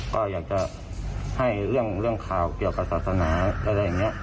ก็อยากจะให้เรื่องข่าวเกี่ยวกับศาสนาอะไรอย่างนี้